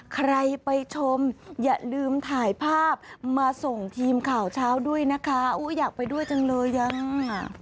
ใครไปชมอย่าลืมถ่ายภาพมาส่งทีมข่าวเช้าด้วยนะคะอุ้ยอยากไปด้วยจังเลยยัง